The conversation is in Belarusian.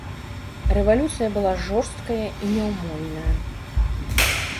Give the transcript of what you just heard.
Рэвалюцыя была жорсткая і няўмольная.